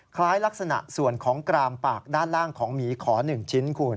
คล้ายลักษณะส่วนของกรามปากด้านล่างของหมีขอ๑ชิ้นคุณ